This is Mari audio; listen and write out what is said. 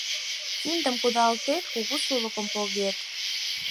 Киндым кудалтет — кугу сулыкым погет!